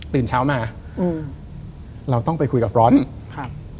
ตื่นเช้ามาเราต้องไปคุยกับปร้อนท์